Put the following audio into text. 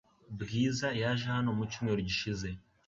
Bwiza yaje hano mu cyumweru gishize .